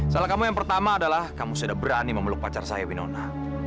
salah kamu yang pertama adalah kamu sudah berani memeluk pacar saya winona